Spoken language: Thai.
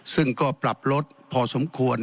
ซึ่งก็ปรับลดพอสมควร